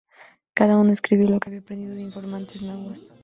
Cada uno escribió lo que había aprendido de informantes nahuas.